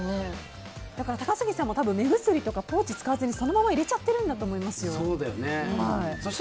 高杉さんも目薬とかポーチ使わずにそのまま入れちゃってるんだと思いますよ。